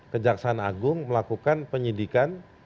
kejaksaan agung melakukan penyidikan